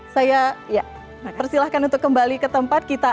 saya persilahkan untuk kembali ke tempat kita akan